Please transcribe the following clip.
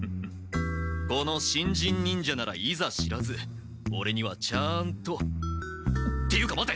この新人忍者ならいざ知らずオレにはちゃんと。っていうか待て。